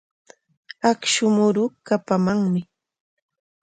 Akshu muruu kapamanmi.